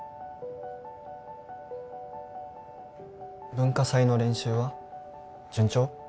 文化祭の練習は順調？